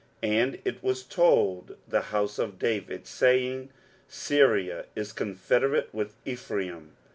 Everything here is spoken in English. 23:007:002 And it was told the house of David, saying, Syria is confederate with Ephraim.